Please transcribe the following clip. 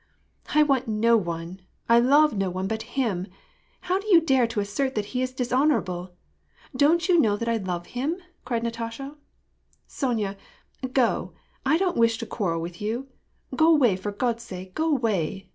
" I want no one, I love no one but him ! How do you dare to assert that he is dishonorable ? Don't you know that I love him ?" cried Natasha. " Sonya, go, I don't wish to quarrel with you ! go away, for God's sake, go away